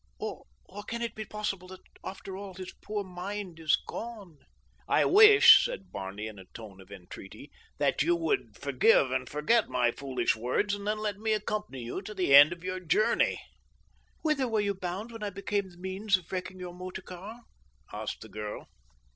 Or can it be possible that, after all, his poor mind is gone?" "I wish," said Barney in a tone of entreaty, "that you would forgive and forget my foolish words, and then let me accompany you to the end of your journey." "Whither were you bound when I became the means of wrecking your motor car?" asked the girl.